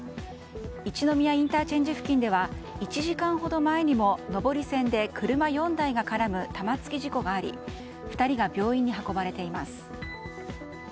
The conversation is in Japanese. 一宮ＩＣ付近では１時間ほど前にも上り線で車４台が絡む玉突き事故があり２人が病院に運ばれています。